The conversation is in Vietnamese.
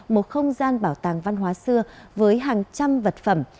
một không gian bảo tàng văn hóa xưa với hàng trăm vật phẩm